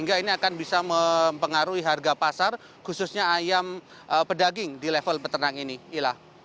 atau mempengaruhi harga pasar khususnya ayam pedaging di level peternak ini